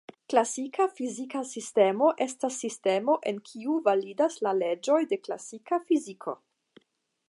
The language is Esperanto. Klasika fizika sistemo estas sistemo en kiu validas la leĝoj de klasika fiziko.